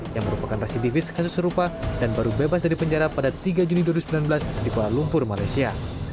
yang merupakan residivis kasus serupa dan baru bebas dari penjara pada tiga juni dua ribu sembilan belas di kuala lumpur malaysia